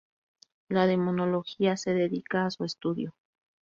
La demonología se dedica a su estudio.